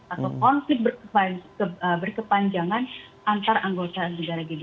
atau konflik berkepanjangan antar anggota negara g dua puluh